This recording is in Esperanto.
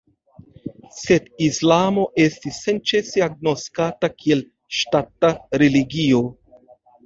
Sed islamo estis senĉese agnoskata kiel ŝtata religio.